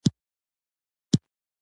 • خندېدل له ناروغیو مخنیوی کوي.